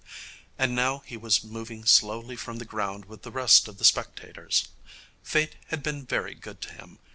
And now he was moving slowly from the ground with the rest of the spectators. Fate had been very good to him.